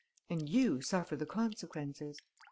And you suffer the consequences.